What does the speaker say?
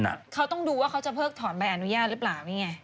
เขาต้องดูว่าเขาจะเพิกถอนใบอนุญาตหรือเปล่านี่ไง